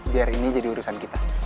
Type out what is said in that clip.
biar ini jadi urusan kita